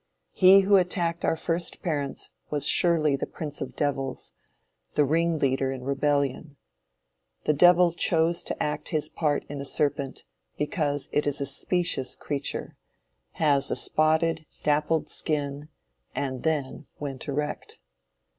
He who attacked our first parents was surely the prince of devils, the ring leader in rebellion. The devil chose to act his part in a serpent, because it is a specious creature, has a spotted, dappled skin, and then, went erect.